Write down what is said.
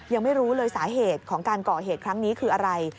ยังไม่รู้เลยสาเหตุของการก่อเหตุครั้งนี้คืออะไร